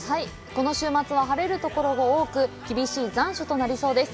この週末は晴れるところが多く、厳しい残暑となりそうです。